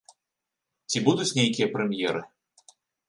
Ці будуць нейкія прэм'еры?